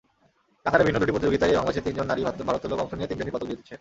কাতারে ভিন্ন দুটি প্রতিযোগিতায় বাংলাদেশের তিনজন নারী ভারোত্তোলক অংশ নিয়ে তিনজনই পদক জিতেছেন।